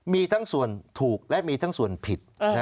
มีทั้งส่วนถูกและมีทั้งส่วนผิด